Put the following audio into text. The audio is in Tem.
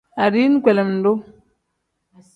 Adiini kpelendu.